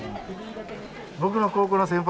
僕の高校の先輩です。